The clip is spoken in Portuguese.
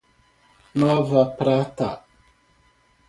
Nova Prata